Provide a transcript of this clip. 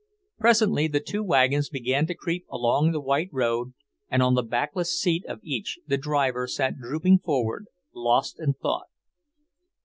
Presently the two wagons began to creep along the white road, and on the backless seat of each the driver sat drooping forward, lost in thought.